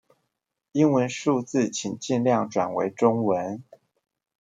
英文數字請盡量轉為中文